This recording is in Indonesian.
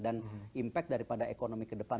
dan impact daripada ekonomi ke depan